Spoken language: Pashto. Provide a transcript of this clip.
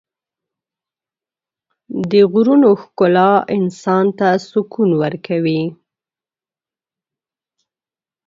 د غرونو ښکلا انسان ته سکون ورکوي.